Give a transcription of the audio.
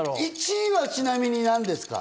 １位は、ちなみに何ですか？